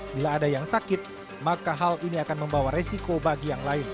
bila ada yang sakit maka hal ini akan membawa resiko bagi yang lain